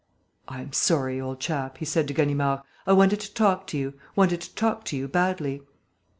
"I am sorry, old chap," he said to Ganimard. "I wanted to talk to you ... wanted to talk to you badly."